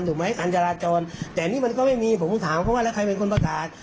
ถูกไหมอันจราจรแต่นี่มันก็ไม่มีผมถามเขาว่าแล้วใครเป็นคนประกาศ